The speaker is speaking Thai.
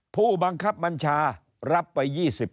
ผู้บังคับบัญชารับไป๒๐